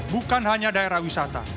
bukan hanya daerah wisata